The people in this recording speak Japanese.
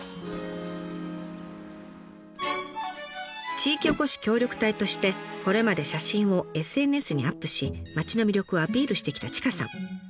地域おこし協力隊としてこれまで写真をＳＮＳにアップし町の魅力をアピールしてきた千賀さん。